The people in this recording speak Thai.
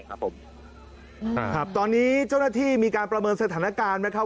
ครับผมอ่าครับตอนนี้เจ้าหน้าที่มีการประเมินสถานการณ์ไหมครับ